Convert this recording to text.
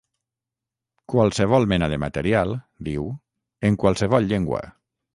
Qualsevol mena de material, diu, en qualsevol llengua.